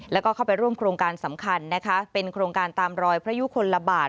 แล้วก็เข้าไปร่วมโครงการสำคัญนะคะเป็นโครงการตามรอยพระยุคลบาท